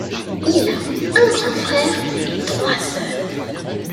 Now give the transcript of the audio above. Il a un grand frère et trois sœurs.